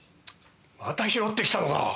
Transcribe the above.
また拾ってきたのか。